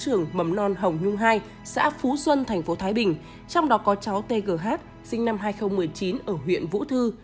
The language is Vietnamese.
trường bấm non hồng nhung ii xã phú xuân tp thái bình trong đó có cháu t g h sinh năm hai nghìn một mươi chín ở huyện vũ thư